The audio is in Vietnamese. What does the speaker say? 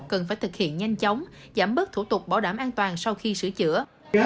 cần phải thực hiện nhanh chóng giảm bớt thủ tục bảo đảm an toàn sau khi sửa chữa